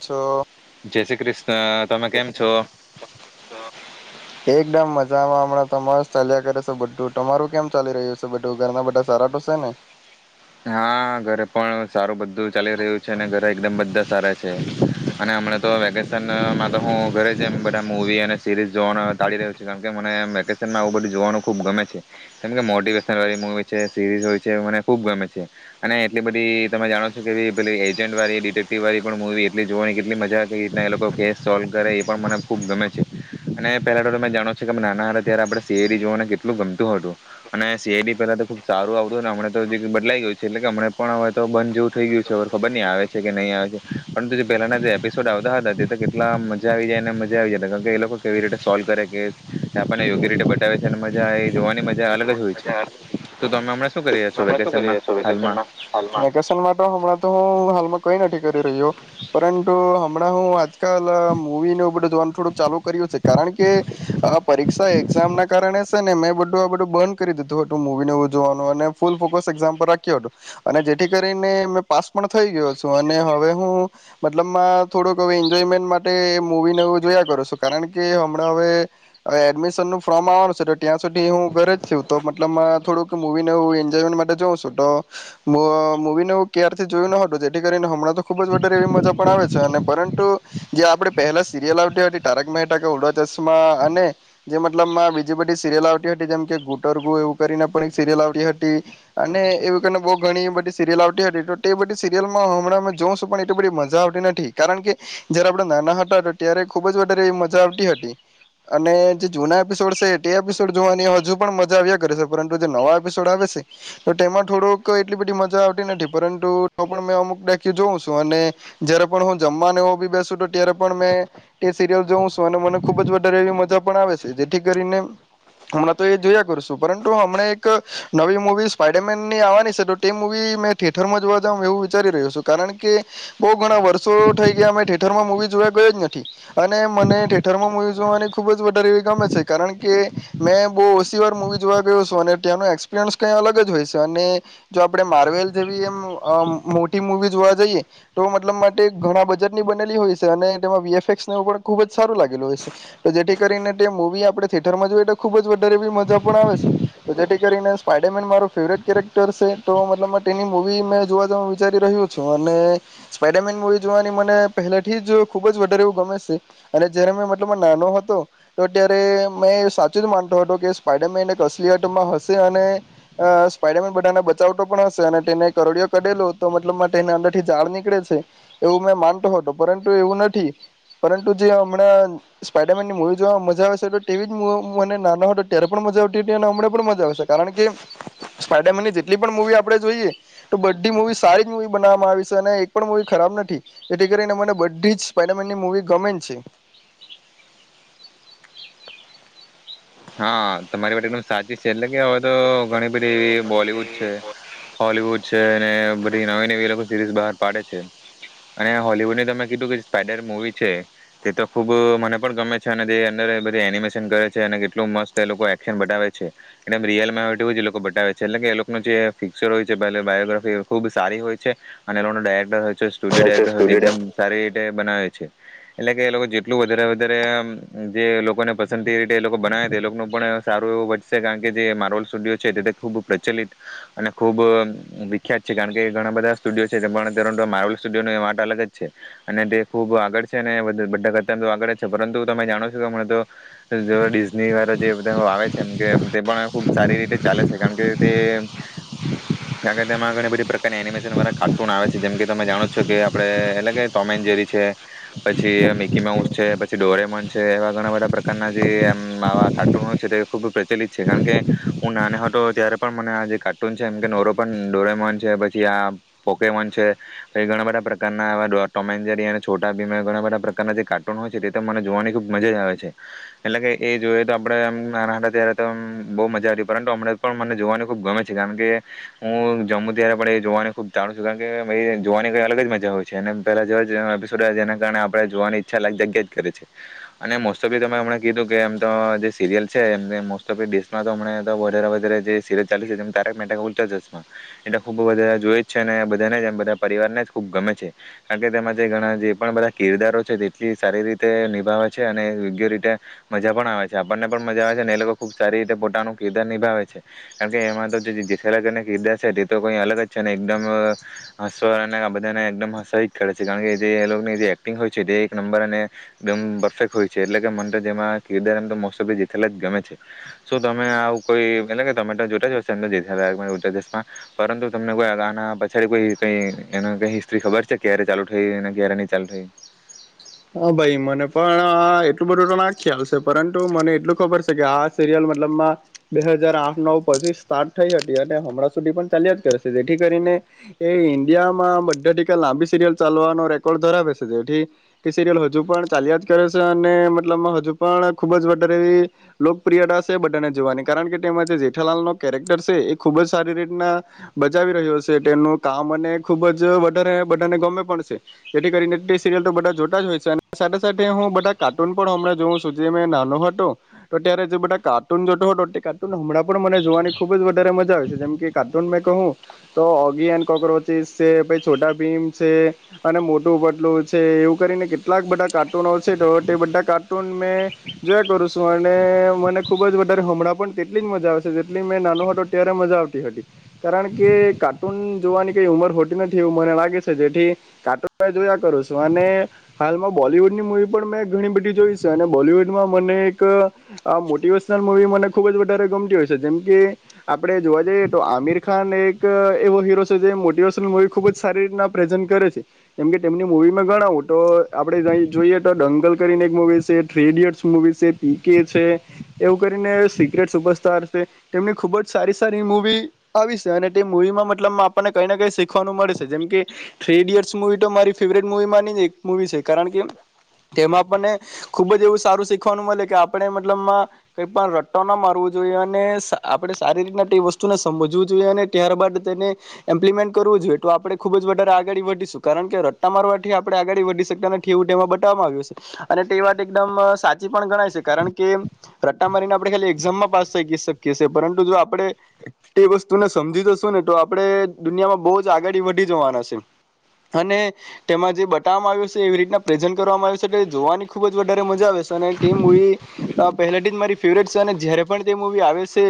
છો. જય શ્રી કૃષ્ણ તમે કેમ છો? એકદમ મજામાં હમણાં તમારે ચાલ્યા કરે છે બધું તમારું કેમ ચાલી રહ્યું છે બધું ઘરના બધા સારા તો છે ને? હા ઘરે પણ સારું બધું ચાલી રહ્યું છે ને ઘરે એકદમ બધા સારા છે અને હમણા તો વેકેશનમાં તો હું ઘરે જ એમ બધા મુવી અને સીરીઝ જોવાનું ટાળી રહ્યો છું કેમ કે મને વેકેશનમાં આવુ બધું જોવાનું ખુબ ગમે છે કેમ કે મોટિવેશનલ વાળી મુવી છે સિરીઝ હોય છે મને ખુબ ગમે. છે અને એટલી બધી તમે જાણો છો કે પેલી એજન્ટ વાળી ડિટેક્ટિવ વાળી પણ મુવી એટલી જોવાની કેટલી મજા હતી ને એ લોકો કેસ સોલ્વ કરે એ પણ મને ખુબ ગમે છે અને પેલા તો તમે જાણો છો કે નાના હતા ત્યારે આપણે સી આઈ ડી જોવાને કેટલું ગમતું હતું અને સી આઈ ડી પેલા તો ખુબ સારું આવતુંને હમણાં તો જે ક બટ દલાઈ ગયું છે એટલે કે હમણા પણ હવે તો બંધ જેવું થઈ ગયું છે હવ ખબર ની આવે છે કે નહી આવે છે પરંતુ જે પેલાના જે એપિસોડ આવતા હતા તે તો કેટલા મજા આવી જાય ને મજા આવી જાય કારણ કે એ લોકો કેવી રીતે સોલ્વ કરે કે આપણને યોગ્ય રીતે બતાવે છે અને મજા એ જોવાની મજા અલગ જ હોય છે તો તમે હમણા શું કરી છો હમણાં શું કરી વેકેશનમાં રયા. તો હાલમાં વેકેશનમાં હાલમાં વેકેશનમાં તો હમણાં તો હું હાલમાં કઈ નથી રહ્યો પરંતુ હમણાં હું વાત મુવી ને જોવાનું થોડુંક ચાલુ કર્યું છે કારણ કે આ પરી એક્ઝામ ના કારણે છે ને મેં બધું આ બધું બંધ કરી દીધું હતું મવીને ઉજવાનું અને ફૂલ ફોકસ એક્ઝામ પર રાખ્યો હતો અને જેથી કરીને મેં પાસ પણ થઈ ગયો છું અને હવે હું મતલબમાં થોડુંક હવે એન્જોયમેન્ટ માટે મૂવી નવું જોયા કરું છું કારણ કે હમણાં હવે એડમિશનનુંું ફોર્મ આવવાનું છે તો ત્યાં સુધી હું ઘરે જ છું તો મતલબ થોડુંક મૂવી નવું વન માટે જોઉં છું તો મવીનેું ક્યારથી જોયું ન હતું જેથી કરીને હમણાં તો ખુબ જારે એવી મજા પણ આવે છે અને પરંતુ જે આપડણે પહેલા સિરિયલ આવતી હતી તારક મહેતા કે ઉડા ચશ્મા અને જે મતલબમાં બીજી બધી સીરિયલ આવતી હતી જેમકે ગુટરગુ એવું કરીને પણ એક સિરિલ આવતી હતી અને એવીને બહ ઘણી બધી સીરિલ આવતી હતી તો તે બધી સીરિયલમાં હમણા અમે જોશું પણ એટલી બધી મજા આવતી નથી કારણ કે જયારે આપડ નાના હતા ત્યારે ખુબ જ વધારે એ મજા આવતી હતી અને જે જૂના એપિસોડ છે તે એપિસોડ જોવાની હજુ પણ મજા આવ્યા કરે છે પરંતુ જે નવા એપિસોડ આવે છે તે એટલી બધી મજા આવતી નથી પરંતુ પણ અમુક ડ જોઉં છું અને જયારે પણ હું જમવાને એવ બી બેસુ તો ત્યારે પણ મે એ સિરિયલ જોઉં છું અને મને ખુબ જ વધારે એ મજા પણ આવે છે જેથી કરીને હમણાં તો એ જોયા કરશું પરંતુ હમણા એક નવી મવી સ્પાઈડરમેનની આવવાની છે તો તે મુવી મેં થિેટરમાં જોવા જ એવું વિચારી રહ્યો છું કારણ કે બહુ ઘણા વર્ષો થઈ ગયા મેં થિેઠરમાં મૂવી જોવા ગયો જ નથી અને મને થિેરમાં મુૂવી જોવાની ખૂબ જ વધારે એવી ગમે છે કારણ કે મેં બહુ ઓછી વાર મૂવી જોવા ગયો છું અને ત્યાંનો એક્સપિરિયન્સ કઈ અલગ જ હોય છે અને જો આપણે માર્વેલ જેવી એમ મોટી મુૂવી જોવા જઈએ તો મતલબ માટે ઘણા બજટની બનેલી હોય છે અને તેમાં વીએફએક્સવ પણ ખૂબ જ સારું લાગેલું હોય છે તો જેથી કરીને તે મૂવી આપણે થિયેટરમાં જોઈએ તો ખૂબ જ વધારે બી મજા પણ આવે છે તો જેથી કરીને સ્પાાઈડારમેન મારો ફેવરેટ કેરેક્ટર છે તો મતલબ તેની મૂવી મેં જોવા જું વિચારી રહ્યું છું અને સ્પાઈડારમેન મૂવી જોવાની મને પહેલાથી જ ખૂબ જ વધારે એવું ગમે છે અને જ્યારે મેં મતલબ નાનો હતો તો ત્યારે મેં સાચું જ માનતો હતો કે સ્પાઈડરમેન એક અસલિયતમાં હશે અને સ્પાઈડરમેન બધાને બચાવટ પણ હશે અને તેને કરોડિયો કઢેલો તો મતલબ તેને અંદર થી ઝાડ નીકળે છે એવું મેં માનતો હતો પરંતુ એવું નથી પરંતુ જે હમણાં સ્પાઈડરમેનની મૂવી જોવા મજા આવેશે તેવી જ મને નાનો હતો ત્યારે પણ મજા આવતી હતી અને હમણાં પણ મજા આવશે કારણ કે સ્પાઈડરમેનની જેટલી પણ મુવી આપણે જોઈએ તો બધી મુવી સારી જ મુવી બનાવામાં આવી છે અને એક પણ મુવી ખરાબ નથી જેથી કરીને મને બધી જ સ્પાઈડરમેનની મુવી ગમે છે હા તમારી માટેું સાજ છે એટલે હવે તો ઘણી બધી એવી બોલીવુડ છે હોલવુડ છે અને બધી નવી નવી લોકો સિરીઝ બહાર પાડે છે. અને હોલીવુડની તમે કીધું કે સ્પાઈડર મુવી છે તે તો ખુબ મને પણ ગમે છે અને તે અંદર બધી એનિમેશન કરે છે. અને એટલું મસ્ત એ લોકો એક્શન બતાવે છે. એટલે એમ રિયલમાં હોય એવું જ એ લોકો બતાવે છે. એટલે કે એ લોકોનું જે ફિક્સર હોય છે બાયોગ્રાફી ખૂબ સારી હોય છે. અને એ લોકોનો ડાયરેક્ટર જ સ્ટુડિયો ડાયરેક્ટર હોથી એકદમ સારી રીતે બનાવે છે. એટલે કે એ લોકો જેટલું વધારે વધારે જે લોકોને પસંદ તે એ રીતે એ લોકો બનાવે તે લોકનું પણ સારું એવું વધશે કારણ કે જે માર્બલ સ્ટુડિયો છે તે તે ખૂબ પ્રચલિત અને ખૂબ વિખ્યાત છે. કારણ કે ઘણા બધા સ્ટુડિયો છે તે પણ તે માર્બલ સ્ટુડિયોની એ વાત અલગ જ છે અને તે ખૂબ આગળ છે અને બધા કરતા તો આગળ જ છે પરંતુ તમે જાણો છો તમે જ ડિશ ની વારાઓ જે બધાંઓ આવે છે તે તે પણ ખુબ સારી રીતે ચાલે છે. કારણ કે તે આગળ તેમાં ઘણી બધી પ્રકારની એનિમેશન વાળા કાર્ટૂન આવે છે જેમ કે તમે જાણો છો કે આપડે એટલે કે ટોમેન જેરી છે પછી મિકી માઉસ છે પછી ડોરેમોન છે એવા ઘણા બધાં પ્રકારના જે હમ આવા કાર્ટૂન હોય છે તે ખુબ પ્રચલિત છે. કારણ કે હું નાનો હતો ત્યારે પણ મને આજે કાર્ટૂન છે એમ કે નોરેપોન ડોરેમન છે પછી આ પોકેમોન છે પછી ઘણા બધા પ્રકારના આવાં ટોમેન જેરી અને છોટા ભીમ એવા ઘણા બધા પ્રકારના જે કાર્ટૂન હોય છે તે તો મને જોવાની ખુબ મજા જ આવે છે. એટલે કે એ જોઈએ તો આપણે આમ નાના હતાં ત્યારે તો બહુ મજા આવી પરંતુ હમણાં પણ મને જોવાની ખૂબ ગમે છે કારણ કે હું જમુ ત્યારે પણ એ જોવાની ખૂબ ચારું છું કારણ કે એ જોવાની કઈ અલગ જ મજા હોય છે. અને પહેલા જેવા જ એપિસોડ જેના કારણે આપણે જોવાની ઈચ્છા લાગ્યા જગ્યા જ કરે છે. અને મોસ્ટ ઓફલી તમે હમણાં કીધું કે કે એમ તો જે સિરિયલ છે એ મોસ્ટ ઓફમાં દેશમાં તો હમણાં વધારેમાં વધારે જે સીરિયલ ચાલી છે તે તારક મહેતા કા ઉલ્ટા ચશ્મા એ તો ખુબ વધારે જોઈ જ છે. અને બધાને બધા પરિવારને જ ખુબ ગમે છે. કારણ કે તેમાં જે ઘણા જે પણ બધા કિરદારો છે તેટલી સારી રીતે નિભાવે છે અને યોગ્ય રીતે મજા પણ આવે છે. આપણને પણ મજા આવે છે અને એ લોકો ખૂબ સારી રીતે પોતાનું કિરદાર નિભાવે છે. કારણ કે એમાં તો જે જેઠાલાલનું કિરદાર છે તે તો કંઈ અલગ જ છે ને એકદમ હસવા અને આ બધાને એકદમ હસવાહી જ કરે છે કારણ કે જે એ લોકોની જે એક્ટિંગ હોય છે તે એક નંબર અને એકદમ પરફેક્ટ હોય છે. એટલે કે મને તો તેમાં કિરદાર એમ તો મોસ્ટ ઓફલી જેઠાલાલ જ ગમે છે. શું તમે આવું કોઈ એટલે કે તમે તો જોતા જ હશો જેઠાલાલ કા ઉલ્ટા ચશ્મા પરંતુ તમને કોઈ આના પછડી કોઈ કઈ એના કાઈ હિસ્ટ્રી ખબર છે ક્યારે ચાલુ થઈ અને ક્યારે નહી ચાલુ થઈ? હા ભાઈ મને પણ એટલું બધું તો ના ખ્યાલ છે. પરંતુ મને એટલું ખબર છે કે આ સિરિયલ મતલબમાં બે હજાર આઠ નવ પછી સ્ટાર્ટ થઈ હતી. અને હમણાં સુધી પણ ચાલ્યા જ કરે છે જેથી કરીને એ ઇન્ડિયામાં બધા ટકા લાંબી સીરયલ ચાલવાનો રેકોર્ડ ધરાવે છે. જેથી તે સીરિયલ હજુ પણ ચાલ્યા જ કરે છે. અને મતલબ હજુ પણ ખૂબ જ વધારે એવી લોકપ્રિયતા છે બધાને જોવાની કારણ કે તેમાં જે જેઠાલાલનો કેરેક્ટર છે એ ખૂબ જ સારી રીતના બજાવી રહ્યો છે તેનું કામ અને ખૂબ જ વધારે બધાને ગમે પણ છે. જેથી કરીને તે સીરિયલ તો બધા જો તા જ હોય છે. અને સાથે સાથે હું બધા કાર્ટૂન પણ હમણાં જોઉં છું. જે મે નાનો હતો તો ત્યારે જે બધા કાર્ટૂન જોતો હતો તે કાર્ટૂન હમણાં પણ મને જોવાની ખુબ જ વધારે મજા આવે છે. જેમ કે કાર્ટૂન મેં કહું તો ઓગી એન કોક્રોચિસ છે પછી છોટા ભીમ છે અને મોટું પતલુ છે એવું કરીને કેટલાક બધા કાર્ટૂનો છે તો તે બધા કાર્ટૂન મેં જોયા કરું છું. અને મને ખૂબ જ વધારે હમણાં પણ તેટલી જ મજા આવેશે જેટલી મેં નાનો હતો ત્યારે મજા આવતી હતી. કારણ કે કાર્ટૂન જોવાની કંઈ ઉંમર હોતી નથી એવું મને લાગે છે જેથી કાર્ટૂન મે જોયા કરું છું. અને હાલમાં બોલીવુડની મૂવી પણ મેં ઘણી બધી જોઈ છે. અને બોલીવુડમાં મને એક અ મોટિવેશનલ મુવી મને ખુબ જ વધારે ગમતી હોય છે. જેમ કે આપણે જોવા જઈએ તો આમિર ખાન એક એવો હીરો છે જે મોટિવેશનલ મુવી ખુબ જ સારી રીતના પ્રેઝન્ટ કરે છે. જેમ કે તેમની મૂવી મેં ગણા તો આપણે જોઈએ તો દંગલ કરીને એક મુવી છે, થ્રી ઈડિયટ્સ મુવી છે, પી કે છે એવું કરીને સિક્રેટ સુપરસ્ટાર છે તેમની ખુબ જ સારી સારી મુવી આવી સે અને તે મુવીમાં મતલબ આપણને કઈ ને કઈ શીખવાનું મળે છે જેમ કે થ્રી ઈડિયટસ મુવી તો મારી ફેવરેટ મુવી માંની જ એક મુવી છે. કારણ કે તેમાં આપણને ખુબ જ એવું સારું શીખવાનું મલે કે આપણે મતલબમાં કઈ પણ રટ્ટો ના મારવો જોઈએ. અને આપણે સારી રીતના તે વસ્તુને સમજવું જોઈએ. અને ત્યારબાદ તેને ઇમ્પ્લિમેન્ટ કરવું જોઈએ. તો આપણે ખુબ જ વધારે આગળ વધીશું કારણ કે રટ્ટા મારવાથી આપણે આગળ વધી શકતા નથી એવું તેમાં બતાવવામાં આવ્યું છે. અને તે વાત એકદમ સાચી પણ ગણાય છે. કારણ કે રટ્ટા મારીને આપણે ખાલી એકઝામમાં પાસ થઈ શકીએ છીએ. પરંતુ જો આપણે તે વસ્તુને સમજી જશું ને તો આપણે દુનિયામાં બહુ જ આગળ વધી જવાના છે. અને તેમાં જે બતાવામાં આવ્યું સે તો એવી રીતના પ્રેઝન્ટ કરવામાં આવે છે કે જોવાની ખુબ જ વધારે મજા આવે છે. સને ટીમ મુવી તો આ પહેલેથી જ મારી ફેવરેટ છે. અને જયારે પણ તે મુવી આવે છે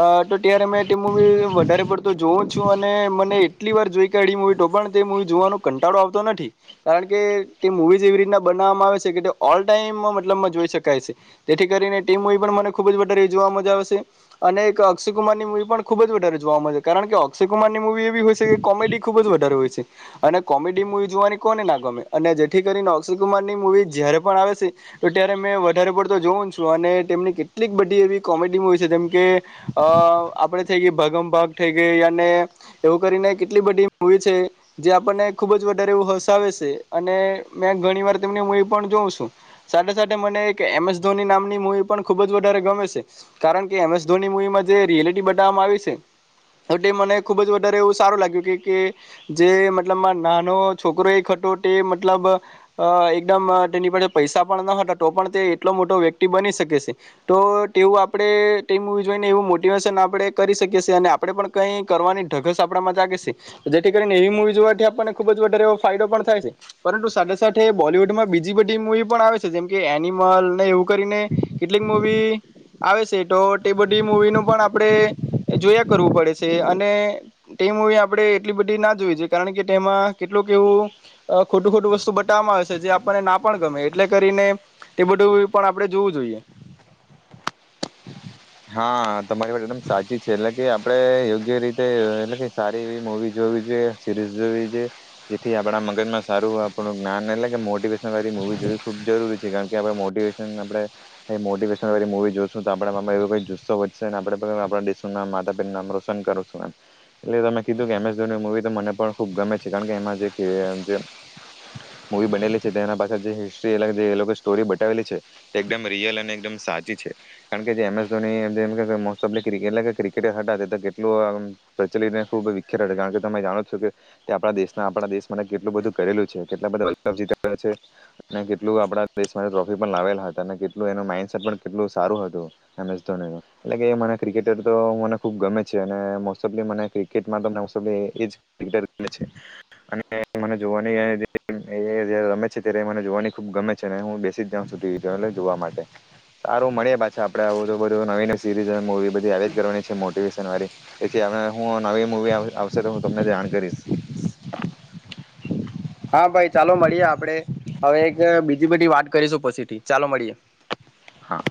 અ તો ત્યારે મે તે મુવી વધારે પડતો જોવું જ છું અને મને એટલી વાર જોઈ કાઢી મુવી તો પણ તે મુવી જોવાનો કંટાળો આવતો નથી. કારણ કે તે મુવી જ એવી રીતના બનાવવામાં આવે છે કે તે ઓલ ટાઈમ મતલબમાં જોઈ શકાય છે. તેથી કરીને તે મુવી પણ મને ખુબ જ વધારે જોવામાં મજા આવે છે. અને એક અક્ષયકુમાર ની મુવી પણ ખુબ જ વધારે જોવામાં આવે છે. કારણ કે અક્ષય કુમાર ની મુવી એવી હોય છે કે કોમેડી ખુબ જ વધારે હોય છે. અને કોમેડી મુવી જોવાની કોને ના ગમે. અને જેથી કરીને અક્ષયકુમારની મુવી જ્યારે પણ આવે છે તો ત્યારે મેં વધારે પડતો જોઉું છું. અને તેમની કેટલીક બધી એવી કોમેડી મુવી છે. જેમકે અ આપણે થઈ ગઈ ભાગમભાગ થઈ ગઈ અને એવું કરીને કેટલી બધી મુવી છે. જે આપણને ખૂબ જ વધારે એવું હસાવે સે. અને મેં ઘણી વાર તેમની મૂવી પણ જોઉં છું. સાથે સાથે મને એક એમ એસ ધોની નામની મૂવી પણ ખૂબ જ વધારે ગમે છે. કારણ કે એમ એસ ધોની મૂવીમાં જે રીયાલિટી બતાવવામાં આવી છે તો તે મને ખૂબ જ વધારે એવું સારું લાગ્યું કે કે જે મતલબમાં નાનો છોકરો એક હતો તે મતલબ અ એકદમ તેની પાસે પૈસા પણ ન હતા તો પણ તે એટલો મોટો વ્યક્તિ બની શકે સે. તો તેવું આપણે તે મુવી જોઈને એવું મોટિવેશન આપણે કરી શકીએ સી. અને આપણે પણ કઈ કરવાની ઢગસ આપણામાં જાગે જેથી કરીને એવી મુવી જોવાથી આપણને ખુબ જ વધારે એવો ફાયદો પણ થાય છે. પરંતુ સાથે સાથે બોલીવુડમાં બીજી બધી મુવી પણ આવે છે જેમ કે એનિમલ ને એવું કરીને કેટલીક મુવી આવે છે તો તે બધી મુવીનું પણ આપણે જોયા કરવું પડે છે. અને તે મૂવી આપણે એટલી બધી ના જોઈજ કારણ કે તેમાં કેટલુંક એવું અ ખોટું ખોટું વસ્તુ બતાવવામાં આવે છે. જે આપણને ના પણ ગમે એટલે કરીને તે બધું પણ આપણેે જોવું જોઈએ. હા. તમારી વાત એકદમ સાચી છે. એટલે કે આપ પણે યોગ્ય યોગ્ય રીતે એટલે કે સા તેવી મુવી જોવી જોઈએ, સીરીઝ જોવી જોઈએ, જેથી આપડા મગજમાં સારું આપણું જ્ઞાન એટલે કે મોટીવેશન વારી મુવી જોવી ખુબ જરૂરી છે. છે. કારણકે આપડે મોટીવેશન આપડે મોટીવેશન વાળી મુવી જોશું તો આપડા મનમાં એવું તો જુસ્સો વધશે ને આપડે પણ આપડા દેશનું નામ માતા-પિતાનું નામ રોશન કરશું એમ, એટલે તમે કીધું કે એમ એસ ધોનીની મુવી તો મને પણ ખુબ ગમે છે. કારણ કે એમાં જે કે જે મુવી બનેલી છે તેના પાછળ જે હિસ્ટ્રી એટલે કે જે એ લોકો સ્ટોરી બતાવેલી છે, તે એકદમ રિયલ અને એકદમ સાચી છે. કારણ કે જે એમ એસ ધોની એટલે એમ કે તે મોસ્ટ ઓફલી ક્રિકેટ એટલે કે ક્રિકેટર હતા. તે તો કેટલું આમ પ્રચલિતને ખૂબ વિખ્યાત હતા, કારણકે તમે જાણો જ છો કે તે આપડા દેશના આપણા દેશ માટે કેટલું બધું કરેલું છે. કેટલા બધા વર્લ્ડ કપ જીતાડ્યા છે અને કેટલું આપડા દેશ માટે ટ્રોફી પણ લાવેલા હતા ને કેટલું એનું માઈન્ડસેટ પણ કેટલું સારું હતું. એમ એસ ધોનીનું, એટલે કે મને એ ક્રિકેટર તો મને ખુબ ગમે છે અને મોસ્ટ ઓફલી મને ક્રિકેટમાં તો નવસો બે એ જ ક્રિકેટર ગમે છે અને મને જોવાની અને એ જ્યારે રમે છે ત્યારે એ મને જોવાની ખૂબ ગમે છે અને હું બેસી જ જાઉં છું ટીવી જોવા એટલે જોવા માટે, સારું મળીએ પાછા આપણે આવી નવી નવી સિરીઝ અને મુવી બધી આવીયા જ કરવાની છે, મોટિવેશન વાળી કે જે હવે હું નવી મુવી આવશે, તો હું તમને જાણ કરીશ. હા, ભાઈ ચાલો મળીએ આપડે. હવે એક બીજી બધી વાત કરીશું પછીથી, ચાલો મળીએે. હા.